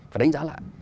phải đánh giá lại